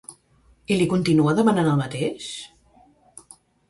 I li continua demanant el mateix?